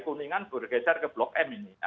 kuningan bergeser ke blok m ini